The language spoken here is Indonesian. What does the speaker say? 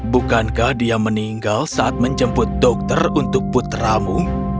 bukankah dia meninggal saat menjemput dokter untuk putramu